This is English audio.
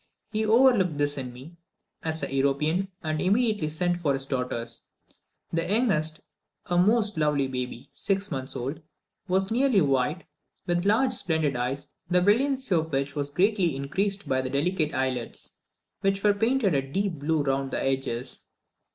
He overlooked this in me, as a European, and immediately sent for his daughters. The youngest, a most lovely baby six months old, was nearly white, with large splendid eyes, the brilliancy of which was greatly increased by the delicate eyelids, which were painted a deep blue round the edges.